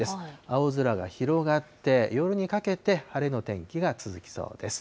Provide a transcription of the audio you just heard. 青空が広がって、夜にかけて晴れの天気が続きそうです。